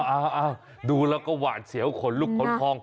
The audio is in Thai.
อ้าวดูแล้วก็หวานเสียวขนลูกคล้อง